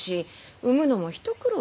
産むのも一苦労ですし。